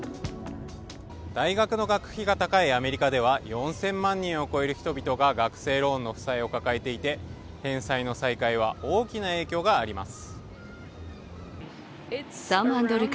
大学の学費が高いアメリカでは４０００万人を超える人々が学生ローンの負債を抱えていて、返済の再開は大きな影響があります。